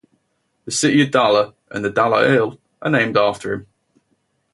The city of Dala and the Dala Hill are named after him.